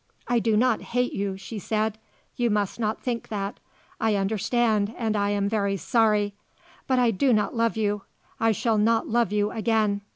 "I do not hate you," she said. "You must not think that. I understand and I am very sorry. But I do not love you. I shall not love you again.